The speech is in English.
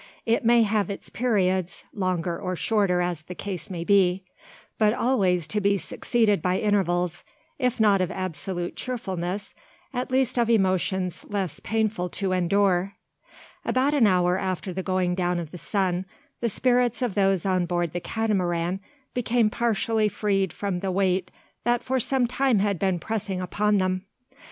It may have its periods, longer or shorter as the case may be; but always to be succeeded by intervals, if not of absolute cheerfulness, at least of emotions less painful to endure. About an hour after the going down of the sun, the spirits of those on board the Catamaran became partially freed from the weight that for some time had been pressing upon them.